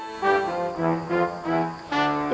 ibu kan udah berjalan